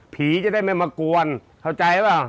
ผีจะได้มั่นมากวนเค้าใจป่าว